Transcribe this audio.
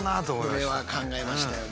これは考えましたよね。